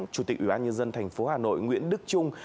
chủ tịch ubnd tp hà nội nguyễn đức trung